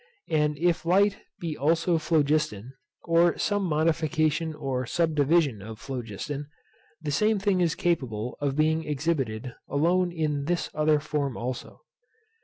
And if light be also phlogiston, or some modification or subdivision of phlogiston, the same thing is capable of being exhibited alone in this other form also.